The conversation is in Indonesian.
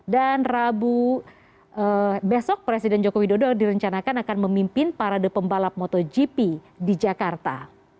dan rabu besok presiden joko widodo direncanakan akan memimpin para depembalap motogp di jakarta